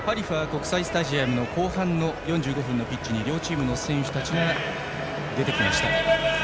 国際スタジアムの後半の４５分のピッチに両チームの選手たちが出てきました。